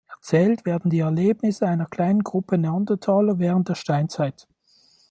Erzählt werden die Erlebnisse einer kleinen Gruppe Neandertaler während der Steinzeit.